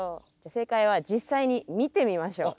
正解は実際に見てみましょう。